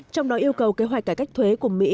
trong đó yêu cầu kế hoạch cải cách thuế của mỹ